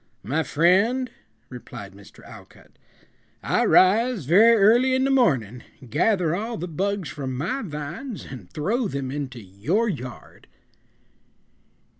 "My friend," replied Mr. Alcott, "I rise very early in the morning, gather all the bugs from my vines and throw them into your yard."